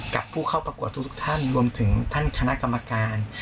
กับผู้เข้าประกวดทุกท่านรวมถึงท่านคณะกรรมการ